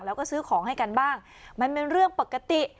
แล้วก็ซื้อของให้กันบ้างมันเป็นเรื่องปกติ